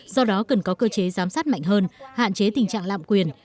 do đó cần có cơ chế giám sát mạnh hơn hạn chế tình trạng lạm quyền